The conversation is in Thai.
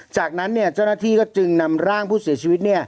จากนั้นเจ้าหน้าที่ก็จึงนำร่างผู้เสียชีวิต